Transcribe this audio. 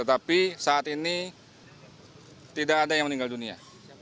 tetapi saat ini tidak ada yang meninggal dunia